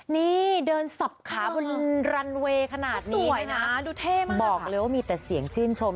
นี่เดินสับขาบนรันเวย์ขนาดนี้เลยนะดูเท่มากบอกเลยว่ามีแต่เสียงชื่นชม